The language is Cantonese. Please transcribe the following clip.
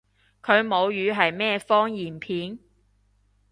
佢母語係咩方言片？